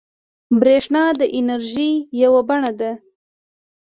برېښنا د انرژۍ یوه بڼه ده.